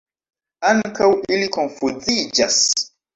Ankaŭ ili konfuziĝas.